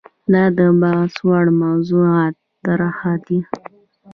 دا د بحث وړ موضوعاتو طرحه ده.